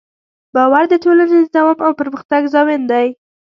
باور د ټولنې د دوام او پرمختګ ضامن دی.